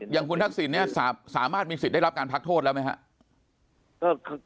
อย่างคุณทักษิณเนี่ยสามารถมีสิทธิ์ได้รับการพักโทษแล้วไหมครับ